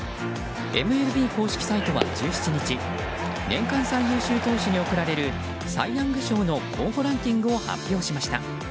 ＭＬＢ公式サイトは１７日年間最優秀投手に贈られるサイ・ヤング賞の候補ランキングを発表しました。